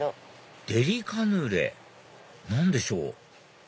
デリカヌレ？何でしょう？